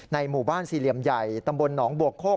หมู่บ้านสี่เหลี่ยมใหญ่ตำบลหนองบัวโคก